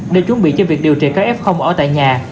để chuẩn bị cho việc điều trị các f ở tại nhà